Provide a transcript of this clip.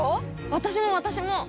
私も私も！